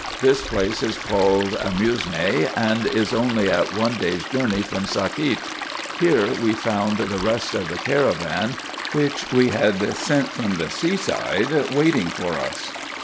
This place is called Amusue, and is only at one day's journey from Sakiet. Here we found the rest of the caravan, which we had sent from the sea side, waiting for us.